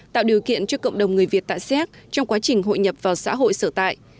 tạo điều kiện cho cộng đồng người việt tại xéc trong quá trình hội nhập vào xã hội sở tại